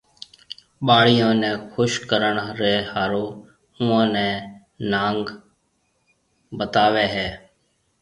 ٻاڙيون ني خوش ڪرڻ ري ۿارو اوئون ني نانگ بتاوي ھيَََ